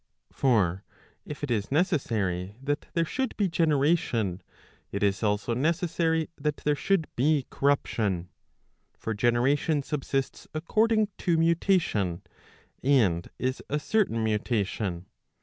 For if it is. necessary that there should be generation, it is also necessary that there Digitized by t^OOQLe OF EVIL. 513 should be corruption. For generation subsists according to mutation, and is a certain mutation.